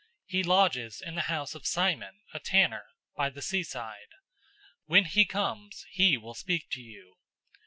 He lodges in the house of Simon a tanner, by the seaside. When he comes, he will speak to you.'